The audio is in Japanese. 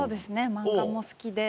漫画も好きで。